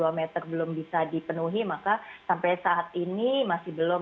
jarak satu lima sampai dua meter belum bisa dipenuhi maka sampai saat ini masih belum